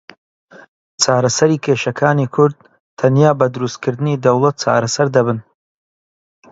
چارەسەری کێشەکانی کورد تەنیا بە دروستکردنی دەوڵەت چارەسەر دەبن.